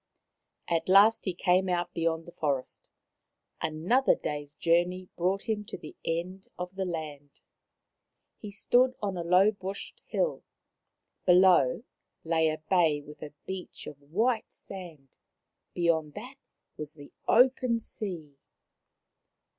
At last he came out beyond the forest. Another day's journey brought him to the end of the land. He stood on a low bushed hill ; below lay a little bay with a beach of white sand ; beyond that was the open sea.